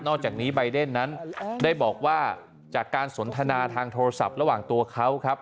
จากนี้ใบเดนนั้นได้บอกว่าจากการสนทนาทางโทรศัพท์ระหว่างตัวเขาครับ